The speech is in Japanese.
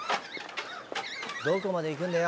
「どこまで行くんだよ」